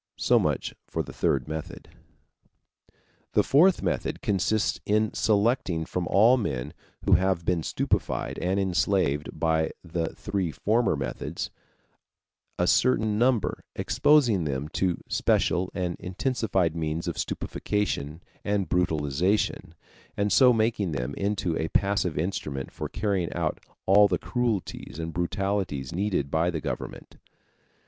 So much for the third method. The fourth method consists in selecting from all the men who have been stupefied and enslaved by the three former methods a certain number, exposing them to special and intensified means of stupefaction and brutalization, and so making them into a passive instrument for carrying out all the cruelties and brutalities needed by the government.